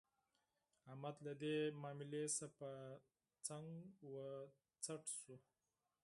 احمد له دې ماملې څخه په څنګ و څټ شو.